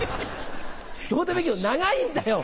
どうでもいいけど長いんだよ